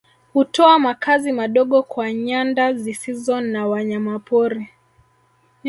Hutoa makazi madogo kwa nyanda zisizo na wanyamapori